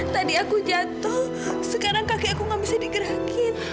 tadi aku jatuh sekarang kakek aku gak bisa digerakin